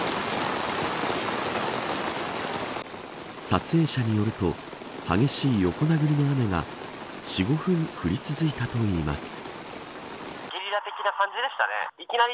撮影者によると激しい横殴りの雨が４、５分降り続いたといいます。